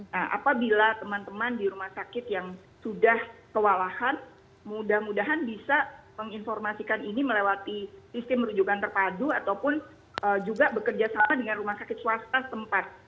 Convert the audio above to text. nah apabila teman teman di rumah sakit yang sudah kewalahan mudah mudahan bisa menginformasikan ini melewati sistem rujukan terpadu ataupun juga bekerja sama dengan rumah sakit swasta tempat